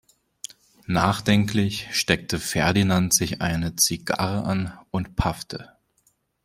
Nachdenklich steckte Ferdinand sich eine Zigarre an und paffte.